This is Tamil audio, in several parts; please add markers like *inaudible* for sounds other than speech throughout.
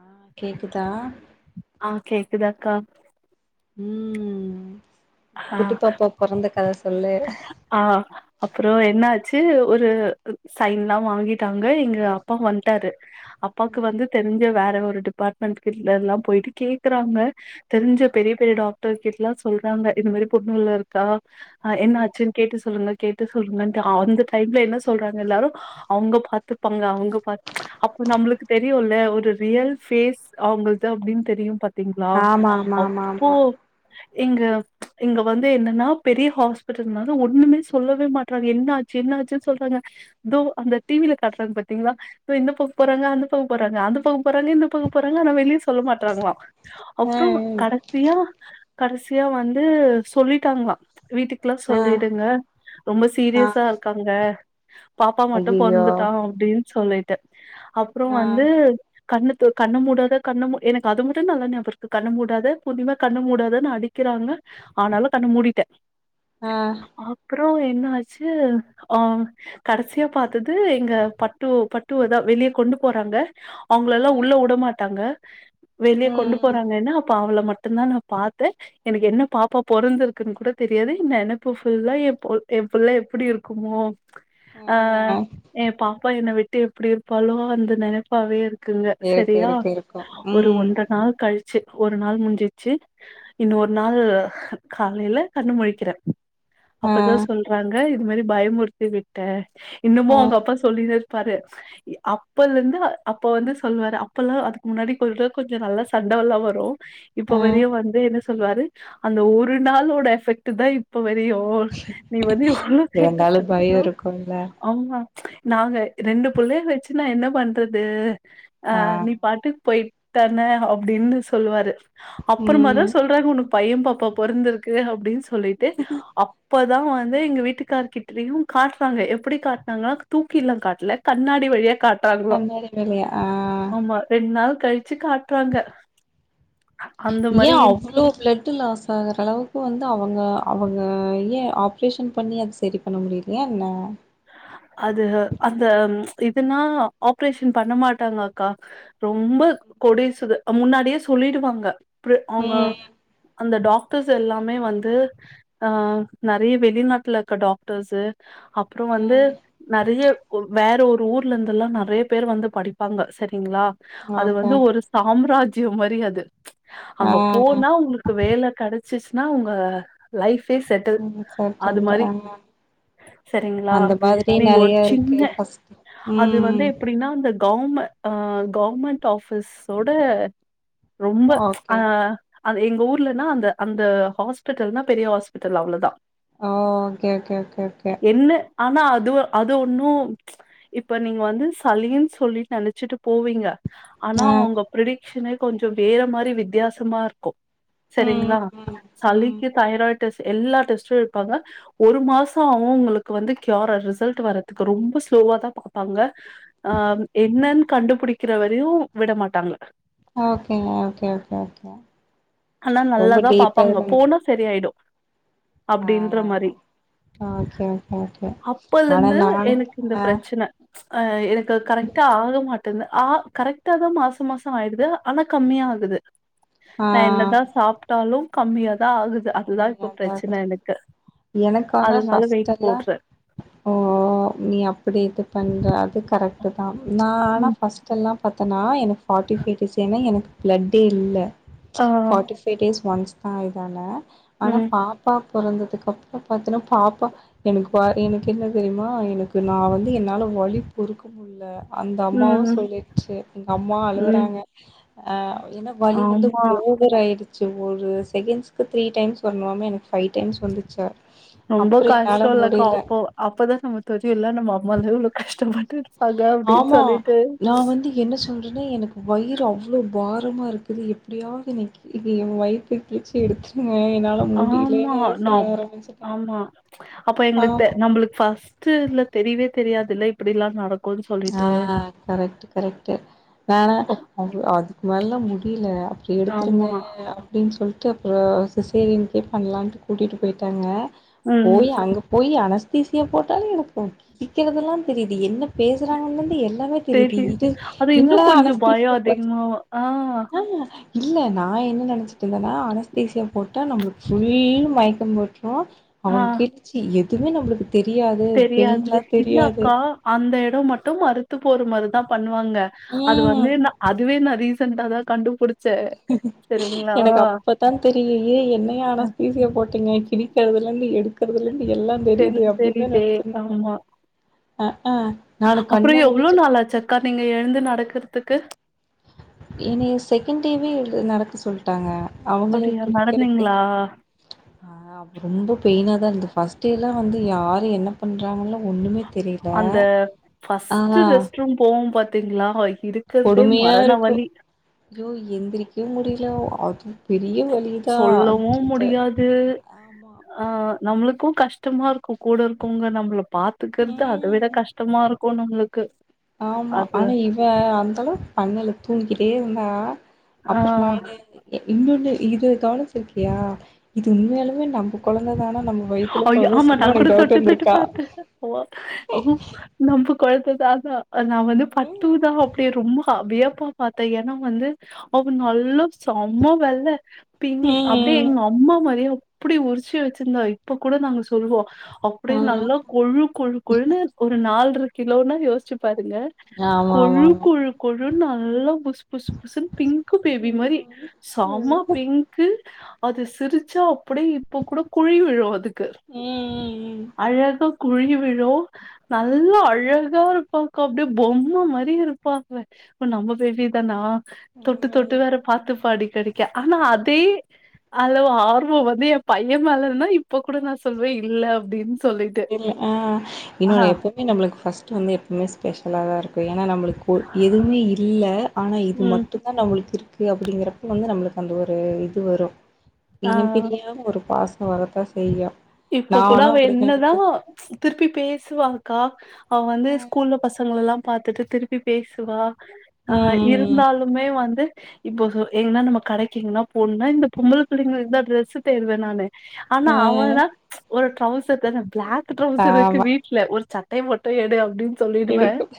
ஆ கேக்குதா ஆ கேக்குது அக்கா ம் ஆ குட்டிப்பாப்பா பொறந்த கத சொல்லு ஆ அப்பறோ என்னாச்சு ஒரு சைன்ல்லா வாங்கிட்டாங்க எங்க அப்பா வன்ட்டாரு அப்பாக்கு வந்து தெரிஞ்ச வேற ஒரு டிபார்ட்மெண்ட் கிட் எல்லா போயிட்டு கேக்குறாங்க தெரிஞ்ச ம் பெரிய பெரிய டாக்டர் கிட்ல்லா சொல்றாங்க இது மாரி பொண்ணு உள்ள இருக்கா அ ம் என்னாச்சு கேட்டு சொல்லுங்க கேட்டு சொல்லுங்கன்ட்டு அந்த டைம்ல என்ன சொல்றாங்க எல்லாரு அவுங்க பாத்துப்பாங்க அவுங்க பாத் அப்ப நம்ளுக்கு தெரியுல்ல ஒரு ரியல் ஃபேஸ் அவுங்கள்க்தா அப்டின்னு தெரியு பாத்தீங்ளா ஆமா ஆமா ஆமா அப்போ ஆமா இங்க இங்க வந்து என்னன்னா பெரிய ஹாஸ்பிட்டல்னால ஒண்ணுமே சொல்லவே மாட்றாங்க என்ன ஆச்சு என்ன ஆச்சுன் சொல்றாங்க இதோ அந்த டி வி ல காட்றாங்க பாத்தீங்ளா இப்ப இந்த பக் போறாங்க அந்த பக்கோ போறாங்க அந்த பக்கோ போறாங்க இந்த பக்கோ போறாங்க ஆனா வெளிய சொல்ல மாட்றாங்ளா அப்றோ ம் கடசியா கடசியா வந்து சொல்லிட்டாங்ளா வீட்டு க்ளா ஆ சொல்லிடுங்க ரொம்ப ஆ சீரியஸா இருக்காங்க பாப்பா மட்டு ஐயையோ பொறந்துட்டா அப்டின் சொல்லீட்டு அப்றோ ஆ வந்து கண்ணு தொ கண்ண மூடாத கண்ண மூ எனக்கு அது மட்டு நல்லா ஞாபருக்கு கண்ண மூடாத பூர்ணிமா கண்ண மூடாதன்னு அடி அடிக்கிறாங்க ஆனாலு கண்ண மூடிட்டே ஆ அப்றோ என்னாச்சு ஆ கடசியா பாத்தது எங்க பட்டு பட்டுவதா வெளிய கொண்டு போறாங்க அவுங்கள எல்லா ஆ உள்ள உடமாட்டாங்க வெளிய கொண்டு ம் போறாங்கன்னா அப்ப அவள மட்டுந்தா நா பாத்தே எனக்கு என்ன பாப்பா பொறந்திருக்குன் கூட தெரியாது எ நெனப்பு ஃபுல்லா எ பு எ புள்ளை எப்டி இருக்குமோ ஆ எ பாப்பா என்ன விட்டு எப்டி இருப்பாலோ அந்த நெனைப்பாவே இருக் குங்க இருக்கு சரியா இருக்கு இருக்கு ஒரு ம் ஒன்ற நாள் கழி ச்சு ஒரு நாள் முஞ்சிச்சு இன்னு ஒரு நாள் காலைல கண்ணு முழிக்கிறே ஆ அப்பதா சொல்றாங்க இது மாரி பயமுறுத்தி விட்டே இன்னுமு ஆ அவுங்க அப்பா சொல்லினே இருப்பாரு அப்பலருந்து அப்ப வந்து சொல்லுவாரு அப்பல்லா அதுக்கு முன்னாடி கொ கொஞ்ச நல்லா சண்டல்லா வரு இப்ப ஆ வரையு வந்து என்ன சொல்லுவாரு அந்த ஒரு நாளோட எஃபெ ட்டு தா இப்ப வரியு நீ வந்து எவ்ளோ கேட்ட இருந்தாலு பயோ *unintelligible* இருக்குல்ல ஆமா நாங்க ரெண்டு புள்ளைய வெச்சு நா என்ன பண்றது அ ஆ நீ பாட்டுக்கு போயிட்டானே அப்டின்னு சொல்லுவாரு அப்புறமா தா ம் சொல் றாரு உனக்கு பையம் பாப்பா பொறந்திருக்கு அப்டின் சொல்லீட்டு அப் ற தா வந்து எங்க வீட்டுக்கார் கிட்டயு காட்றாங்க எப்டி காட்னாங்க தூக்கி எல்லா காட்ல கண்ணாடி வழியா காட் றாங்லா கண்ணாடி வேலையா ஆ ஆமா ரெண்டு நாள் கழிச்சி காட்றாங்க அந்த ஏ மாரி அவ்ளோ பிளட் லாஸ் ஆகுறளவுக்கு வந்து அவுங்க அவுங்க ஏ ஆப்ரேஷன் பண்ணி அது சரி பண்ண முடியலையா என்ன அது அந்த இதுன்னா ஆப்ரேஷன் பண்ண மாட்டாங்க அக்கா ரொம்ப கொடி சுத அ முன்னாடியே சொல்லிடுவாங்க அப்ற அவுங்க ம் அந்த டாக்டர்ஸ் எல்லாமே வந்து ஆ நெறைய வெளிநாட்டுல இருக்க டாக்டர்ஸு அப்றோ வந்து ம் நெறைய ஒ வேற ஒரு ஊர்ல இருந்து எல்லா நெறைய பேர் வந்து படிப்பாங்க சரிங்ளா அது ஓகே வந்து ஒரு சாம்ராஜ்யம் மாரி அது ஆ அங்க போனா உங்களுக் கு வேல கெடச்சிர்சின்னா உங்க லைஃபே செட்ல் ம் சரி அது சொல்ட்டு மாரி ஆ செரிங்ளா அந்த மாதிரி நீங்க ஒரு நெறைய இருக்கு சின்ன ஃபஸ்ட் அது ம் வந்து ம் எப்டி னா அந்த கவுமெ அ கவுர்மெண்ட் ஆபிஸ்சோட ரொம்ப அ ஓகே அ எங்க ஊர்லனா அந்த அந்த ஹாஸ்பிட்டல்னா பெரிய ஹாஸ்பிட்டல் அவ்ளோதா ஓ ஓகே ஓகே ஓகே ஓகே என்ன ஆனா அதுவு அது ஒன்னு இப்ப நீங்க வந்து சலீனு சொல்லிட் நெனைச்சிட்டு போவீங்க ஆனா ஆ அவுங்க ப்ரடிக்ஷனே கொஞ்சோ வேற மாரி வித்தியாசமா இருக்கு ம் சரிங்களா ம் ம் சளிக்கு தைராய்ட் டெஸ்ட் எல்லா டெஸ்ட்டு எடுப்பாங்க ஒரு மாசோ அ வு உங்களுக்கு வந்து கியர்ரா ரிசல்ட் வரதுக்கு ரொம்ப ஸ்லோவா தா பாப்பாங்க அ என்னன்னு கண்டுபிடிக்கிறவரையு விட மாட்டாங்கள ஓகேங்க ஓகே ஓகே ஓகே ரொம்ப டீப்பா இது பண்ண செரி ஆயிடு ஆ அப்டின்ற மாரி ஓகே ஓகே ஓகே ஆனா அப்பலேந்து நானு எனக்கு இந்த ஆ ப்ரச்சன ஆ எனக்குது கரெக்டா ஆக மாட் டுதுனு ஆ கரெக்ட்டா தா மாச மாச ஆயிடுது ஆனா கம்மியா ஆகுது ஆ நா என்னதா சாப்ட்டாலு கம்மியாதா ஆகுது அதுதா கம்மியா இப்ப தா இருக்குது ப்ரச்சன எனக்கு எனக்கு ஆனா அதனால ஃபஸ்ட் வெயிட் போட்றே ஓ நீ அப்டி இது பண்ற அது கரெக் ட்டு தா நா ஆனா ம் ஃபர்ஸ்டெல்லா பத்தன்னா எனக் ஃப்ட்டி ஃபைவ் டேஸ் ஏன்னா எனக்கு ப்ளட்டே இல்ல ஆ ஃபார்ட்டி ஃபைவ் டேஸ் ஒன்ஸ் தா இதான ஆனா ம் பாப்பா பொறந்ததுக்கப்புறோ பாத்தீனா பாப்பா எனக்கு *unintelligible* எனக்கு என்ன தெரிமா எனக்கு நா வந்து என்னால வலி பொறுக்க முள்ள அந்த அம்மாவு ம் சொல்லிச்சு அந்த அம்மாவு ம் அழுவுறாங்க அ என்ன வலி வந்து ஆமா ஓவர் ஆயிடுச்சு ஒரு செகண்ட்ஸ்க்கு த்ரீ டைம்ஸ் வர்ணுவாமே எனக் ஃபைவ் டைம்ஸ் வந்துச்சா ரொம்ப அப்றோ என்னால கஷ்டோ இல்லக்கா முடியில அப்போ அப்பதா நம்ம தெரிய இல்ல நம்ம அம்மாலா எவ்ளோ கஷ்டப்பட்டு இருப்பாங்க அப்டின்னு ஆமா. சொல்லிட்டு நான் வந்து என்ன சொல்றன்னா எனக்கு வயிறு அவ்ளோ பாரமா இருக்குது எப்டியாவ்து என்னக் இது எ வயித்த கிளிச்சு எடுத்துருங்க என்னா ஆமா நா ஆமா அப்ப எங்களுக்கு தெ ஆமா. நம்மளுக்கு ஃபஸ்ட்டுல தெரியவே தெரியாதுல்ல இப்டில்லா நடக் ஆ ஆ கரெக்ட்டு கரெக்ட்டு நானா அவ் அதுக்கு மேலல்ல முடியில அப்பறோ எடுத்துருங்க ஆமா அப் டின்னு சொல்லிட்டு அப்புறோ சிசேரினுக்கே பண்லான்ட்டு கூட்டிட்டு போய்ட்டாங்க ம் போயி அங்க போயி அனஸ்திசியா போட்டாலு எனக்கு கிழிக்தறதெல்லா தெரியுது என்ன பேசுறாங்கன்லேருந்து எல்லாமே தெரியு இது அது இன்னு என்னட கொஞ்சோ பயோ அனஸ்தீசியா போச்சு அதிகமா ஆ ஆ இல்ல நா என்ன நெனைச்சிட்ருந்தன்னா அனஸ்தேசியா போட்டா நம்மளுக்கு ஃபுல் மயக்கோ போட்ருவோ ஆ அவங்க கிழிச்சி எதுவுமே நம்மளுக்கு தெரியாது தெரியாது பெயின்லா இல்ல தெரியாது அக்கா அந்த எடோ மட்டு மறுத்து போற மாரி தா பண்ணுவாங்க அது ம் வந்து ந அதுவே ந ரி சண்டா தா கண்டுபுடி எனக்கு அப்பதா தெரியு ஏ என்ன அன்ஸ்தேசீயா போட்டீங்க கிழிக்கிறதுலேந்து எடுக்கறதுலேந்து எல்லா தெரி தெரியுது அப்டின்தா தெரியுதே நெனைச்சிருந்தே அ ஆ அப்பறோ எவ்ளோ முழிச்சு நாளாச்ச அக்கா நீங்க எழுந்து நடக்கறதுக்கு என்னைய செகண்ட் டேவே எழு நடக்க சொல்ட்டாங்க அவுங்களே அப்டியா குளிக்கறதுக்கு நடந்தீங்களா ஆ ஆப் ரொம்ப பெயினா தா இருந்தது ஃபஸ்ட் டேலாம் வந்து யாரு என்ன பண்றாங்கல்லா ஒண்ணுமே தெரில அந்த ஃப்ஸ்ட் ஆனா ரெஸ்ட் ரூம் போவோ பாத்தீங்களா அ இரூக் கிறத்தே மரண வலி யோ எந்திரிக்க முடியல அதுவூ பெரிய வலி சொல்லவூ முடியாத் து ஆமா ஆ நம்மளுக்கூ கஷ்டமா இருக்கோ கூட இருக்கவங்க நம்மள பாத் இருக்கறத்து அத விட ம் கஷ்டமா இருக்கோ நம்மளுக்கு ஆமா அது ஆனா இவெ அந்தளவு பண்ணல தூங்கிக்கிட்டே இருந்தா ஆ அப்ர்ஸ் நா எழந்து எழந்து இன்னென்னூ இது கவனிச்சிருக்கியா இது உண்மையாலுமே நம்ம குழந்த தானா நமக் ஐயோ ஆமாக்கா அது கூட தொட்டு தொட்டு பாத்தே ஓ ஓ நம்ப குழந்த தானா நா வந்து ம். பட்தூதா அப்படியே ரொம்ப அப்டியே பாத் பாத்தே ஏன்னா வந்து அவெ நல்லா செம வெல்ல பிங் அப்படியே ம். எங்க அம்மா மாரியே அப்புடி உரிச்சி வச்சிருந்தா இப்ப கூட நாங்க சொல்லுவோ ஆ அப்படியே நல்லா கொழு கொழு கொழுன்னூ ஒரு நாள்ர இருக் கிலோனா யோசிச்சு பாருங்க ஆமா ஆமா கொழு ஆமா கொழு கொழுன்னு நல்லா புஸ் புஸ் அசல் பிங்க் பேபி ம் மாரி ம் ம் சாம பிங்க் கு அது சிரிச்சா அப்படியே இப்ப கூட குழி விழு அது க்கு ம் அழகா குழி விழோ நல்லா அழகா இருப்பாங்கா அப்படியே பொம்மை மாரி இருப்பாங்க இவென் நம்ம பேபிதானா தொட்டு தொட்டு உண்மையாலே வேற பாத்துப்பே அடிகடி ஆனா அதே அளவு ஆர்வோ வந்து என் பையே மேலன்னா இப் இப்ப கூட நா சொல்வே இல்ல அப்டின்னு சொல்லிட்டு இல்ல ஆ ஆ இன்னோ எப்பவுமே நம்மளுக்கு ஃபர்ஸ்ட் வந்து எப்பவுமே ஸ்பெஷலா தா இருக்கூ ஏன்னா நம்மளுக்கு ப்பே இருந்தூ இல்ல ஆனா இது ம் மட்டூ அதா நம்மளுக்கு இருக்கு அப்படிங்கிறப்ப வந்து நம்மளுக்கு அந்த ஒரு இதூ வரூ இனி ஆ பிரியா ஒரு பாச வரத்தா செய்யூ இப்ப கூட அவ என்னதா திருப்பி பேசுவாங்க்கா அவென் வந்து ம் ஸ்கூல்ல பசங்கள எல்லா பாத்துட்டு திருப்பி பேசுவா அ இரு ம் இருந்தாலுமே வந்து இப்போ எங்கன்னா நம்ம கடைக்கு எங்கன்னா போணுனா இந்த பொம்ள புள்ளங்களுடய டிரெஸ்ஹ தேடுவே நானு ஆனா ம். அவனா ஒரு ட்ரௌசர் தான பிளாக் அ ட்ரௌசர் இருக்கு ஆமா வீட் ஒரு சட்டய மட்டூ எடு அப்டின் சொல்லிடுவே எடுக்கும்.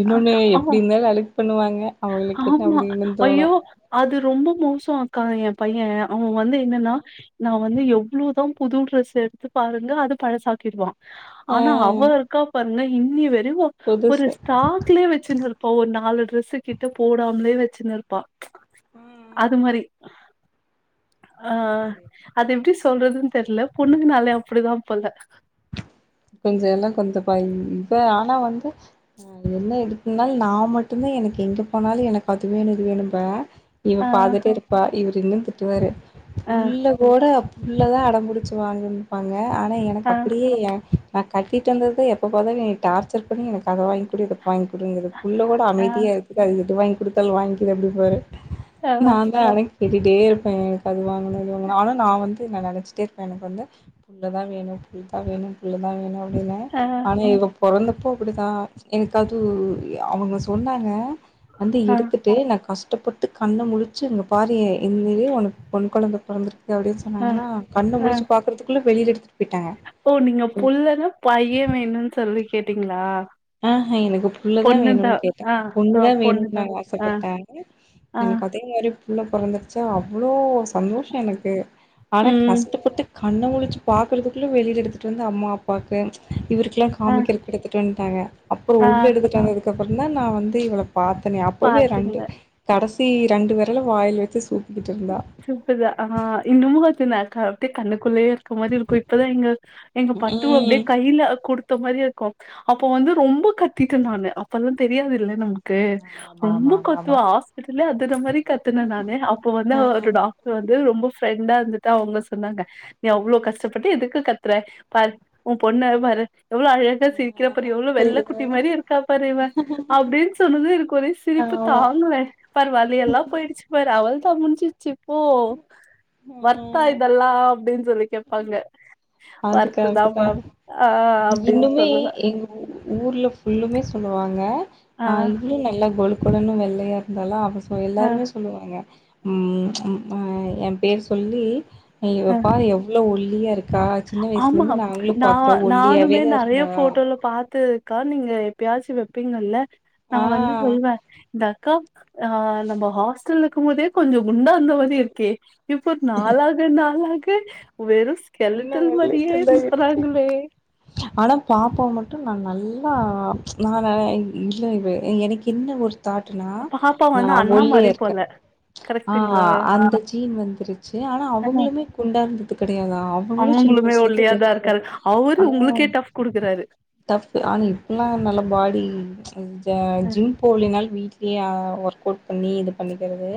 இன்னொன்னு ஆ எப்படி இருந்தாலும் அழுக்கு பண்ணுவாங்க. அவங்களுக்கு என்ன ஆமா அப்படின்னு ஐயோ தோணும். அது ரொம்ப மோசோ அக்கா ஏ பைய அவ வந்து என்னன்னா ம். நா வந்து எவ்ளோ தா புது ட்ரெஸ் எடுத்து பாருங்க அது பழசாக்கிடுவா ஆ ஆனா அவே இருக்கா பாருங்க இன்னி வரைக்கூ ஒரு புதுசு. டாப் லயே வச்சு இருப்பா ஒரு நாலு டிரெஸ் கிட்ட போடாமலே வச்சுன்னு இருப்பா அது ம் மாரி ஆ அது அது எப்டி சொல்றதுன்னு தெரில பொண்ணுங்கனாலே அப்டிதா போல கொஞ்சொ எல்லா கொஞ்சோ காய் ஆனா வந்து என்ன ‌இருக்கோ இருந்தாலு நா மட்டுமே தா எனக்கு எங்கே போனாலு எனக்கு அதுவேணூ இது வேணும்ப இவ ஆ, பாத்துட்டே இருப்பா இவரூயூ திட்டுவாறு ஆ, புள்ள இப்ப கூட புள்ளதா அடம்பிடிச்சு வாழனோன்னூ இரூப்பாங்க ஆனா எனக்கு ஆ, அப்டியே ஏன் நா கட்டிட்டடு வந்துக்கு எப்ப பார்த்தாலூம் ஏன டார்ச்சர் பண்ணி எனக்கு அத வாங் புரியுது வாங்கி குடு புள்ள கூட ஆ, அமைதியா இருக்கு அது எது வாங்கி குடுத்தாலு வாங்கிது அப்டி பாரு ஆ, நா தா அத கேட்டிட்டே இருப்பே எனக்கு அது வாங்கனு இது வாங்கு ஆனா நா வந்து நெனச்சிட்டே இரு எனக்கு வந்து புள்ள தா வேணு புள் தா வேணு புள்ள தா வேணு அப்படா ஆ, ஆனா இவ பொறந்தப்போ அப்டிதா எனக்கு அது அவங்க சொன்னாங்க வந்து ஆ, எடுத்துட்டு நா கஷ்டப்பட்டு கண்ணு முழிச்சு எங்க பார் உண்மையிலேயே உனக்கு பெண் குழந்த பிறந்திருக்குது அப்டின்னா ஆ, சொன்னாங்கன்னா கண்ண ஆ. முழிச்சு பாக்கறதுக்குள்ளே வெளியில எடுத்து போயிட்டாங்க ஓ நீங்க புள்ளனா பைய வேணுன்னு சொல்லி கேட்டீங்களா ஆஹ எனக்கு புள்ளதா பொண்ணுதா வேணுனு கேட்ட ஆ ஆ பொண்ணுதா வேணுனு நாங்க ஆ ஆசப்பட்டாங்க ஆ எனக்கு அதே மாரி புள்ள பொறந்துருச்சா அவ்ளோ சந்தோஷ எனக்கு ஆனா ம் கஷ்டப்பட்டு கண்ண முழிச்சு பாக்குறதுக்குள்ள வெளியில எடுத்துட்டு வந்து அம்மா அப்பாவுக்கு இவருக்கெல்லா ஆ காமிக்கறக்கு எடுத்துட்டு வந்ட்டாங்க அப்புற ஆ உள்ள எடுத்துட்டு வந்ததுக்குப்புற தா நா வந்து இவள பாத்தனே அப்பவே பாத்தீங்க ரெண்டு கடைசி ரெண்டு வெரல வாயில வச்சு சூப்பிக்கிட்டு இருந்தா சூப்பதா ஆ இன்னுமே அது நா அப்டியே கண்ணுக்குள்ளேயே இருக் கற மாரி இருக்கு இப்பதா எங்க எங்க பட்டுவ அப்டியே ம் கையில குடு த்த மாரியே இருக்கு அப்ப வந்து ரொம்ப கத்திட்ட நானு அப்பெல்லா தெரியாது இல்ல நமக் கு ஆமா ஆமா ரொம்ப கத்துவ ஆமா ஹாஸ்பிட்டலே அதுர மா கத்துன நானு அப்ப வந்து அவ அ வந்து ரொம்ப ஃப்ரெண்டா இருந்துட்டு அவங்க சொன்னாங்க நீ அவ்ளோ கஷ்டப்பட்டு எதுக்கு கத்துறா பாரு உ பொண்ண பாரு எவ்ளோ அழகா சிரிக்கிறா பாரு‌ எவ்ளோ வெள்ள ஆமா குட்டி மாரி இருக்கா பாரு இவ அப்டின்னு சொன்னது எனக்கு ஒரே சிரிப்பு ஆமா தாங்களே பாரு வலியெல்லா போயிடுச்சு பாரு அவள தா முடிஞ்சிடுச்சு ஓ வொர்த்தா ம் இதெல்லா அப்டின்னு சொல்லி கேப்பாங்க அது வொர்த்துதா கரெக்ட் தான் மேம் ஆ அப்டின்னு இன்னுமே சொல்லுவே எங்க ஊர்ல ஃபுல்லுமே சொல்லுவாங்க ஆ இவ்வளு நல்லா கொழு கொழன்னு வெள்ளையா இருந்தாலா அப்ப ஆ எல்லாருமே சொல்லுவாங்க ம் எ பேர் சொல்லி ஆ இவப்பாரு எவ்ளோ ஒல்லியா இருக்கா சின்ன வயசுல ஆமா இருந்து நாங்களு ந பாக்குறோ நானுமே ஒல்லியாவேதா நெறைய இருந்தா போட்டோல பாத்து க்கா நீங்க எப்பயாச்சு வெப்பீங்கல்ல ஆ நாங்க வந்து சொல்லுவே இந்த அக்கா ஆ நம்ம ஹாஸ்டல இருக்கும் போதே கொஞ்சம் குண்டா இருந்த மாரி இருக்கே இப்போ நாளாக நாளாக வெறு ஸ்கெல் இன்னு ட்டில் மாரியே ஒல்லியாதா இருக்கா சுத்துறாங்களே ஆனா பாப்பா மட்டு நா நல்லா நா இல்ல இ எனக்கு என்ன ஒ தாட்டுனா பாப்பா வந்து நான் அண்ணா ஒல்லியா மாரி இருக்கே போல ஆ கரெக்ட்டுங்களா அந்த ஜீன் வந்துருச்சு ஆனா ஆ அவங்களுமே குண்டா இருந்தது கெடையாதா அவங்களு சின்ன அவங்களுமே வயசுல இருந்தே ஒல்லியாதா ஒல்லிதா இருக்காரு அவரு ஆ உங்களுக்கே டஃப் குடுக்குறாரு டஃப் ஆனா இப்பல்லா நல்ல பாடி ஆ ஜிம் போலனாலு வீட்லயே ஒர்க் அவுட் பண்ணி இது பண்ணிக்கிறது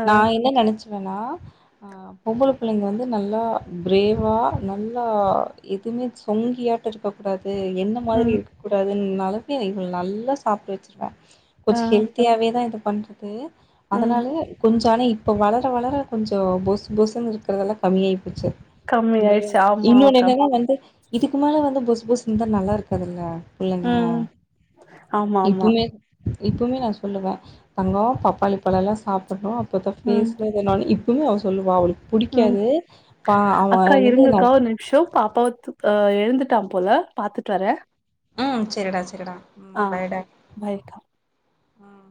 ஆ நா என்ன நெனைச்சுவன்னா ஆ பொம்பள புள்ளைங்க வந்து நல்லா பிரேவாவா நல்லா எதுவுமே சொங்கியாட்ட இருக்க கூடாது என்ன மாதிரி ம் இருக் க கூடாதுனாலவுக்கு இவள நல்லா சாப்பிட்ட வச்சருவே ஆ கொஞ்ச ஹெல் த்தியாவே தா இது பண்றது ம் அதனாலயே கொஞ்சோ ஆனா இப்ப வளர வளர கொஞ்ச பொஸ் பொஸ்ன்னு இருக்கிறதெல்லா கம்மியாயிப் போச்சு கம்மி ஆயிடுச்சு ஆமா இன்னொன்ன அக்கா என்னனா வந்து இதுக்கு மேல வந்து பொஸ் பொஸ்ன்ன இருந்தா நல்லா இருக்காதுல்ல இல்லங்க ம் ஆமா ஆமா இப்புமே இப்போமே நா சொல்லுவ தங்கோ பப்பாளி பழோ எல்லா சாப்புடணு அப்பதா ம் பேஸ்ல இத நானு இப்பமே அவ சொல்லுவா அவளுக் ம் புடிக்காது பா அவ் அக்கா இருங்க அக்கா ஒரு நிம்ஷோ பாப்பாவ தூக் அ எழுந்துட்டாம் போல பாத்துட்டு வர ம் சேரிடா சேரிடா ஆ பாய் கா ம்